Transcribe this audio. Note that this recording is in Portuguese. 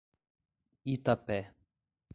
Itapé